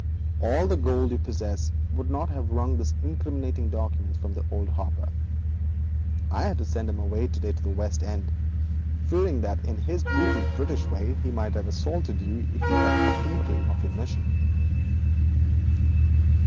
All the gold you possess would not have wrung these incriminating documents from old Hopper. I was compelled to send him away to the West End an hour ago, fearing that in his brutal British way he might assault you if he got an inkling of your mission.'